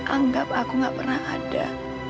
anggap aku gak pernah ada